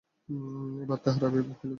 এবার তাঁহার আবির্ভাব হইল দাক্ষিণাত্যে।